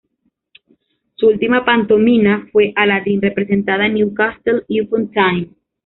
Su última pantomima fue "Aladdin", representada en Newcastle upon Tyne.